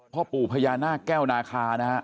พ่อปู่พญานาคแก้วนาคานะฮะ